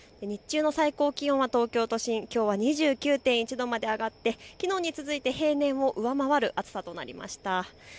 日中の最高気温は東京都心で２９．１度まで上がってきのうに続いて平年を上回る暑さとなりました。